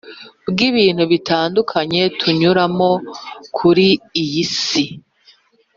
bw’ibintu bitandukanye tunyuramo kuri iyi Si,